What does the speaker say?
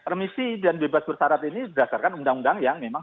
remisi dan bebas bersarat ini berdasarkan undang undang yang memang